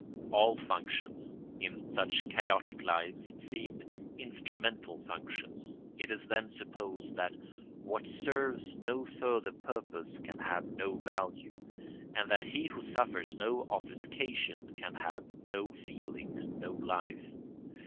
All functions, in such chaotic lives, seem instrumental functions. It is then supposed that what serves no further purpose can have no value, and that he who suffers no offuscation can have no feeling and no life.